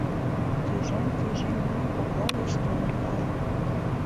Тӱжем-тӱжем йӱк кокла гыч тудым пала.